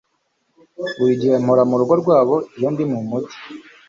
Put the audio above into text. Buri gihe mpora murugo rwabo iyo ndi mumujyi.